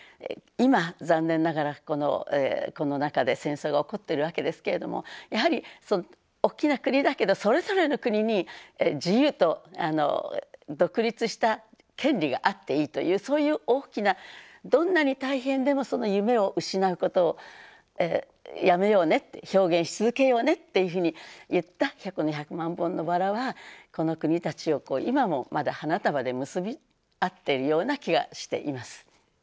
今残念ながらこの中で戦争が起こってるわけですけれどもやはり大きな国だけどそれぞれの国に自由と独立した権利があっていいというそういう大きなどんなに大変でもその夢を失うことをやめようねって表現し続けようねっていうふうにいった「百万本のバラ」はこの国たちを今もまだ花束で結び合っているような気がしています。